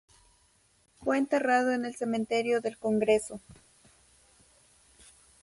Fue enterrado en el Cementerio del congreso.